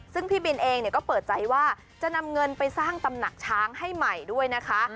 ซึ่งพี่บินเองก็เปิดใจว่าจะนำเงินไปสร้างตำหนักช้างให้ใหม่ด้วยนะคะ